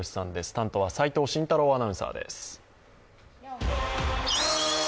担当は齋藤慎太郎アナウンサーです。